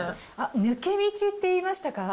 抜け道って言いましたか？